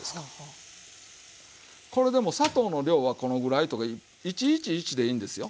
これでも砂糖の量はこのぐらいとか１：１：１でいいんですよ。